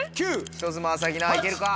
人妻朝日奈いけるか？